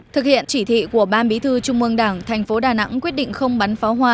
thực hiện chỉ thị của ban bí thư trung mương đảng thành phố đà nẵng quyết định không bắn pháo hoa